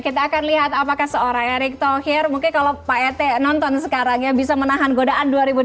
kita akan lihat apakah seorang erick thohir mungkin kalau pak ete nonton sekarang ya bisa menahan godaan dua ribu dua puluh